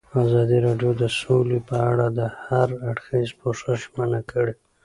ازادي راډیو د سوله په اړه د هر اړخیز پوښښ ژمنه کړې.